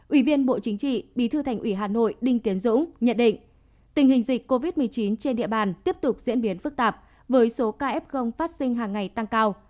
ủy viên bộ chính trị bí thư thành ủy hà nội đinh tiến dũng nhận định tình hình dịch covid một mươi chín trên địa bàn tiếp tục diễn biến phức tạp với số ca f phát sinh hàng ngày tăng cao